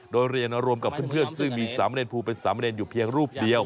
โดยเรียนรวมกับเพื่อนซึ่งมีสามเนรภูเป็นสามเณรอยู่เพียงรูปเดียว